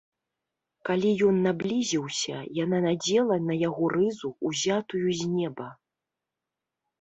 Калі ён наблізіўся, яна надзела на яго рызу, узятую з неба.